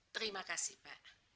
terima kasih pak